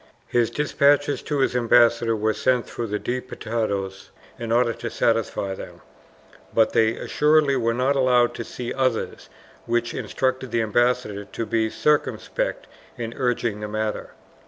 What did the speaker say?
His despatches to his ambassador were sent through the Diputados in order to satisfy them, but they assuredly were not allowed to see others which instructed the ambassador to be circumspect in urging the matter.